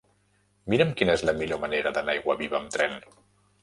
Mira'm quina és la millor manera d'anar a Aiguaviva amb tren.